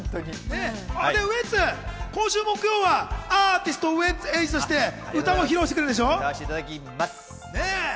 ウエンツ、今週木曜はアーティスト・ウエンツ瑛士として歌も披露歌わせていただきます。